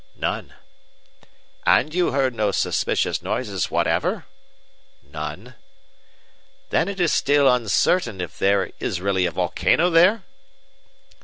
"None." "And you heard no suspicious noises whatever?" "None." "Then it is still uncertain if there is really a volcano there?"